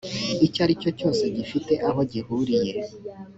icyo ari cyo cyose gifite aho gihuriye